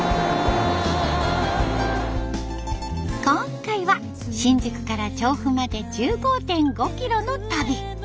今回は新宿から調布まで１５．５キロの旅。